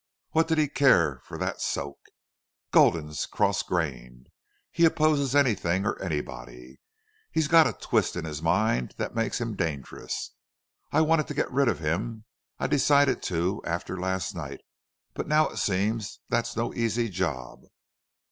What did he care for that soak? Gulden's cross grained. He opposes anything or anybody. He's got a twist in his mind that makes him dangerous.... I wanted to get rid of him. I decided to after last night. But now it seems that's no easy job."